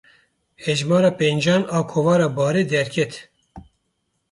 Hejmara pêncan a Kovara Barê derket.